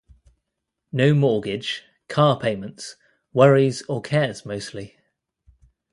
No mortgage, car payments, worries or cares mostly.